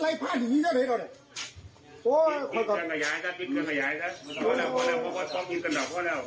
เจ้าไปให้เจ้าสร้างแมวบัตรเจ้าต้องฝึกษากันดินดินตัวแล้ว